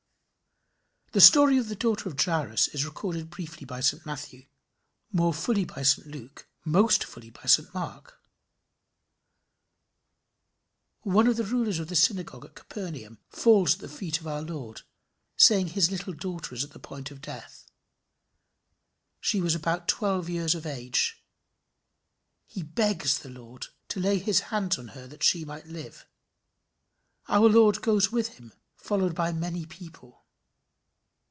The story of the daughter of Jairus is recorded briefly by St Matthew, more fully by St Luke, most fully by St Mark. One of the rulers of the synagogue at Capernaum falls at the feet of our Lord, saying his little daughter is at the point of death. She was about twelve years of age. He begs the Lord to lay his hands on her that she may live. Our Lord goes with him, followed by many people.